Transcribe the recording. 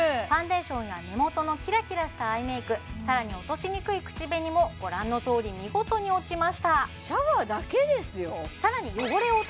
ファンデーションや目元のキラキラしたアイメイク更に落としにくい口紅もご覧のとおり見事に落ちましたシャワーだけですよ